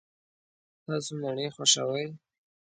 تاسو مڼې خوښوئ؟